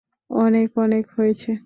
অনেক অনেক হয়েছে।